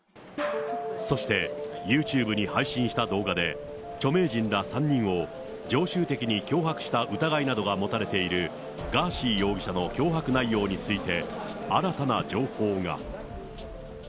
そして、ユーチューブに配信した動画で、著名人ら３人を常習的に脅迫した疑いなどが持たれているガーシー容疑者の脅迫内容について、新たな情報が。